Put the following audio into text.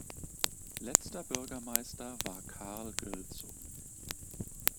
Letzter Bürgermeister war "Karl Gülzow".